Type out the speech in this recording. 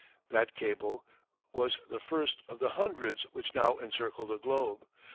That cable was the first of the hundreds which now encircle the globe.